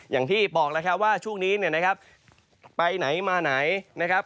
อย่างที่บอกแล้วครับว่าช่วงนี้เนี่ยนะครับไปไหนมาไหนนะครับ